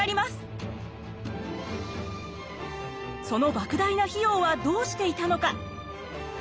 その莫大な費用はどうしていたのか。